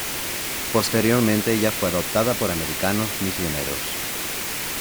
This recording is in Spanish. Posteriormente ella fue adoptada por Americanos Misioneros.